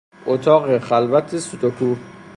اطاق خلوت سوت و کور